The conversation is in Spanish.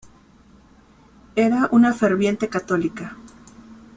Era una ferviente católica.